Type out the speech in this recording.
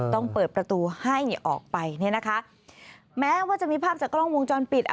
ต้องเปิดประตูให้ออกไปเนี่ยนะคะแม้ว่าจะมีภาพจากกล้องวงจรปิด